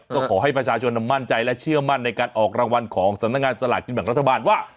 ก็ขอให้ประชาชนมั่นใจและเชื่อมั่นในการออกรางวัลของสำนักงานสลากกินแบ่งรัฐบาลว่า